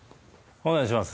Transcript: お願いします